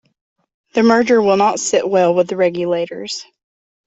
The merger will not sit well with the regulators.